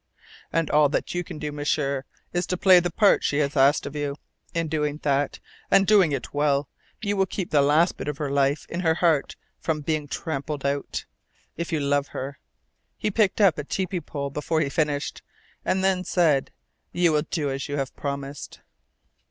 And all that you can do, M'sieur, is to play the part she has asked of you. In doing that, and doing it well, you will keep the last bit of life in her heart from being trampled out. If you love her" he picked up a tepee pole before he finished, and then, said "you will do as you have promised!"